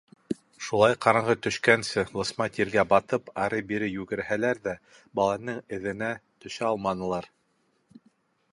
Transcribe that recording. Шулай ҡараңғы төшкәнсе лысма тиргә батып, ары-бире йүгерһәләр ҙә баланың эҙенә төшә алманылар.